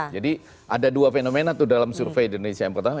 ada dua fenomena tuh dalam survei indonesia yang pertama